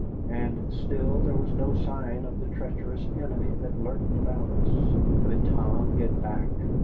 And still there was no sign of the treacherous enemy that lurked about us. Could Tom get back?